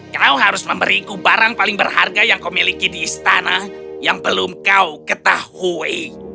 kau harus memberiku barang paling berharga yang kau miliki di istana yang belum kau ketahui